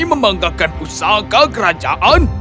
membanggakan usaha kekerajaan